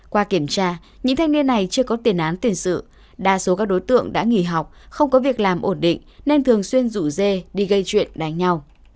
qua kiểm tra những thanh niên này chưa có tiền án tiền sự đa số các đối tượng đã nghỉ học không có việc làm ổn định nên thường xuyên rủ dê đi gây chuyện đánh nhau